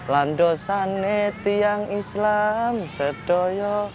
lando sanet yang islam setoyo